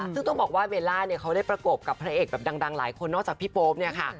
ซึ่งต้องบอกว่าเบลล่าเนี่ยเขาได้ประกบกับพระเอกแบบดังหลายคนนอกจากพี่โป๊ปเนี่ยค่ะ